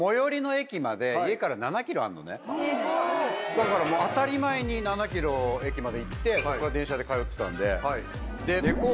だから当たり前に７ｋｍ駅まで行ってそこから電車で通ってたんで。